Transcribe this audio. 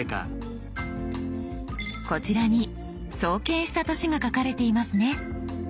こちらに創建した年が書かれていますね。